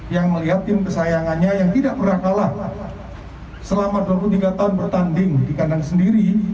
yang melihat tim kesayangannya yang tidak pernah kalah selama dua puluh tiga tahun bertanding di kandang sendiri